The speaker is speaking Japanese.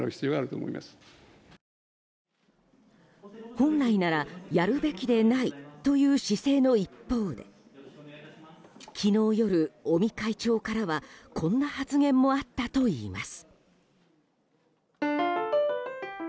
本来ならやるべきでないという姿勢の一方で昨日夜、尾身会長からはこんな発言もあったといいます。